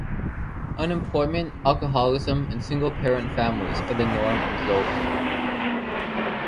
Unemployment, alcoholism, and single parent families are the norm in Zola.